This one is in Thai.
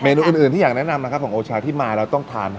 นูอื่นที่อยากแนะนำนะครับของโอชาที่มาแล้วต้องทาน